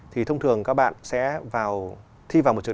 thì thông thường các bạn sẽ vào